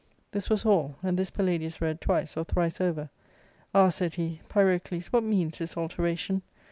This was all, and this Palladius read twice or thrice over. *' Ah," said he, " Pyrocles, what means this alteration